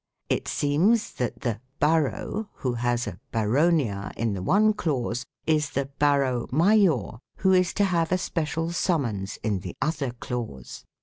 ... It seems that the " baro " who has a " baronia " in the one clause is the " baro major " who is to have a special summons in the other clause.